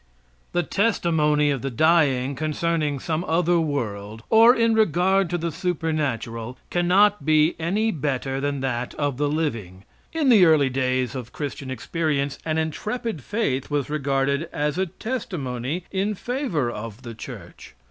The testimony of the dying concerning some other world, or in regard to the supernatural, cannot be any better than that of the living. In the early days of Christian experience an intrepid faith was regarded as a testimony in favor of the church.